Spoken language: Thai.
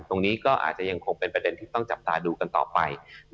ตรงนี้ก็อาจจะยังคงเป็นประเด็นที่ต้องจับตาดูกันต่อไป